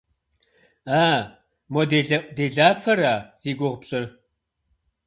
А-а, мо делэӏуделафэра зи гугъу пщӏыр?